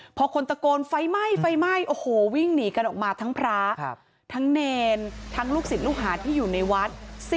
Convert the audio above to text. พอคนตะโกนไฟไหม้ไฟไหม้โอ้โหวิ่งหนีกันออกมาทั้งพระทั้งเนรทั้งลูกศิษย์ลูกหาที่อยู่ในวัด